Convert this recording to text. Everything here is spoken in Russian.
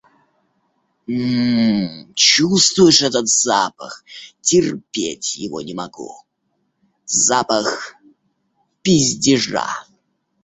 М-м-м, чувствуешь этот запах? Терпеть его не могу. Запах пиздежа.